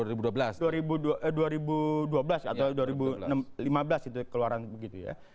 dua ribu dua belas atau dua ribu lima belas itu keluaran begitu ya